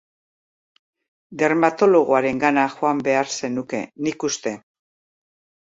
Dermatologoarengana joan behar zenuke, nik uste.